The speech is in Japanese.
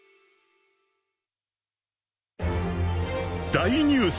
［大ニュース！